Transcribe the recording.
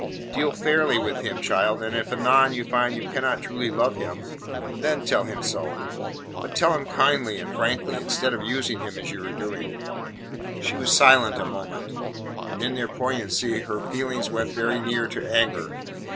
Deal fairly with him, child, and if anon you find you cannot truly love him, then tell him so. But tell him kindly and frankly, instead of using him as you are doing." She was silent a moment, and in their poignancy her feelings went very near to anger.